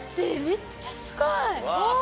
めっちゃすごい！うわ！